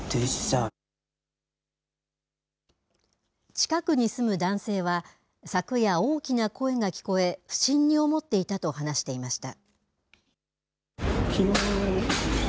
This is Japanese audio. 近くに住む男性は、昨夜、大きな声が聞こえ、不審に思っていたと話していました。